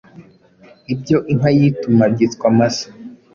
Ibyo Inka yituma byitwa Amase